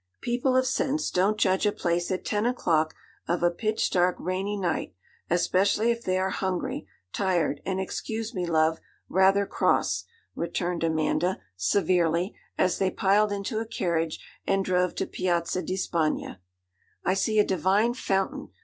'People of sense don't judge a place at ten o'clock of a pitch dark, rainy night, especially if they are hungry, tired, and, excuse me, love, rather cross,' returned Amanda, severely, as they piled into a carriage and drove to Piazzi di Spagna. 'I see a divine fountain!